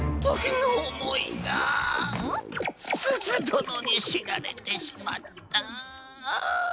すずどのにしられてしまった！？